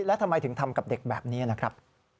แล้วทำไมถึงทำกับเด็กแบบนี้นะครับ